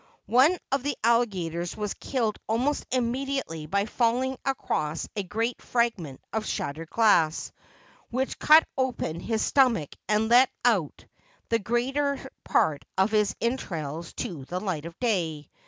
One of the alligators was killed almost immediately by falling across a great fragment of shattered glass, which cut open his stomach and let out the greater part of his entrails to the light of day.